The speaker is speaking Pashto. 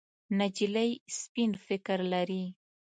نجلۍ سپين فکر لري.